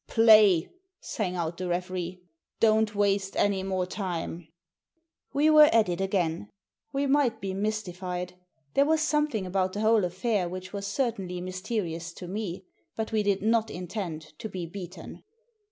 "Play!" sang out the referee. "Don't waste any more time." We were at it again. We might be mystified. There was something about the whole affair which was certainly mysterious to me. But we did not intend to be beaten.